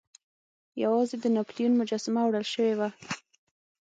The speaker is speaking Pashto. یوازې د ناپلیون مجسمه وړل شوې وه.